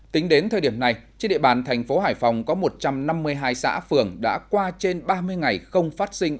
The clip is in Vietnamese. tính đến thời điểm này trên địa bàn thành phố hải phòng có một trăm năm mươi hai xã phường đã qua trên ba mươi ngày không phát sinh